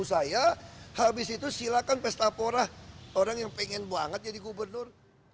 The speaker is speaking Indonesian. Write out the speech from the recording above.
saya habis itu silakan pesta porah orang yang pengen banget jadi gubernur